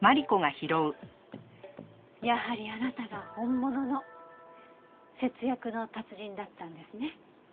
やはりあなたが本物の節約の達人だったんですね。